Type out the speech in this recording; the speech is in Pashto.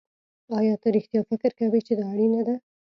ایا ته رښتیا فکر کوې چې دا اړینه ده